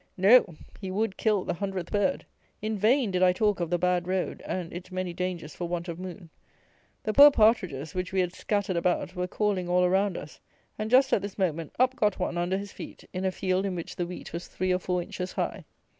No: he would kill the hundredth bird! In vain did I talk of the bad road and its many dangers for want of moon. The poor partridges, which we had scattered about, were calling all around us; and, just at this moment, up got one under his feet, in a field in which the wheat was three or four inches high.